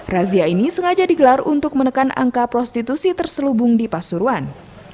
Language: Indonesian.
razia ini sengaja digelar untuk menekan angka prostitusi terselubung di pasuruan